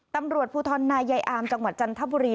ตำรวจภูทรนายายอามจังหวัดจันทบุรี